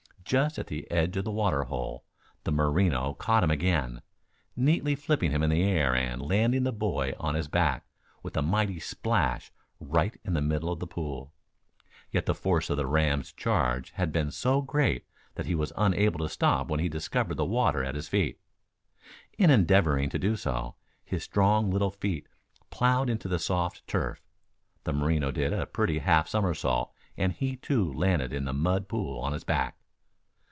Just at the edge of the water hole the Merino caught him again, neatly flipping him in the air and landing the boy on his back, with a mighty splash, right in the middle of the pool. Yet the force of the ram's charge had been so great that he was unable to stop when he discovered the water at his feet. In endeavoring to do so, his strong little feet ploughed into the soft turf. The Merino did a pretty half somersault and he too landed in the mud pool on his back.